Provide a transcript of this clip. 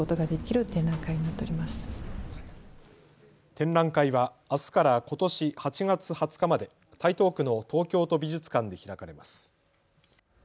展覧会はあすからことし８月２０日まで台東区の東京都美術館で開かれます。